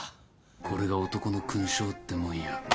これが男の勲章ってもんよ。